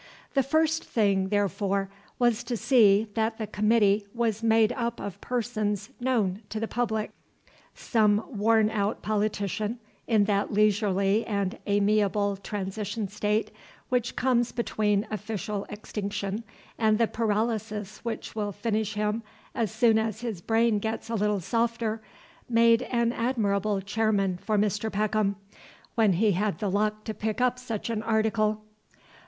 The first thing, therefore, was to see that the Committee was made up of persons known to the public. Some worn out politician, in that leisurely and amiable transition state which comes between official extinction and the paralysis which will finish him as soon as his brain gets a little softer, made an admirable Chairman for Mr. Peckham, when he had the luck to pick up such an article.